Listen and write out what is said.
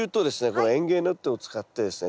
この園芸ネットを使ってですね